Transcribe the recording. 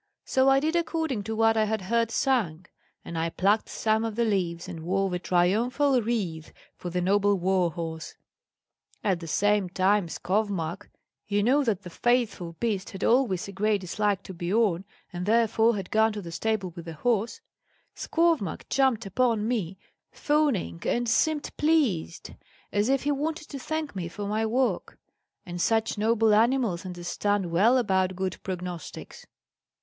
So I did according to what I had heard sung; and I plucked some of the leaves, and wove a triumphal wreath for the noble war horse. At the same time Skovmark, you know that the faithful beast had always a great dislike to Biorn, and therefore had gone to the stable with the horse, Skovmark jumped upon me, fawning, and seemed pleased, as if he wanted to thank me for my work; and such noble animals understand well about good prognostics."